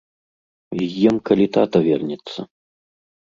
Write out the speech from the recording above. З'ем, калі тата вернецца.